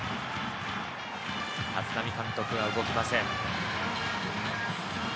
立浪監督は動きません。